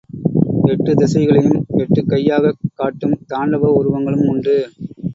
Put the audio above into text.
எட்டுத் திசைகளையும் எட்டுக் கையாகக் காட்டும் தாண்டவ உருவங்களும் உண்டு.